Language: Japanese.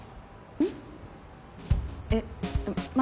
うん。